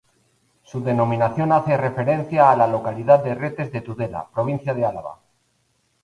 Su denominación hace referencia a la localidad de Retes de Tudela, provincia de Álava.